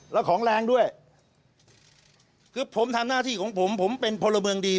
แล้วของแรงด้วยคือผมทำหน้าที่ของผมผมเป็นพลเมืองดี